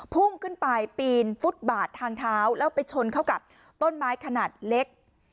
พุ่งขึ้นไปปีนฟุตบาททางเท้าแล้วไปชนเข้ากับต้นไม้ขนาดเล็ก